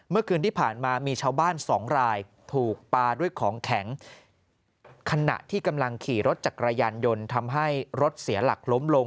เมื่อคืนที่ผ่านมามีชาวบ้านสองรายถูกปลาด้วยของแข็งขณะที่กำลังขี่รถจักรยานยนต์ทำให้รถเสียหลักล้มลง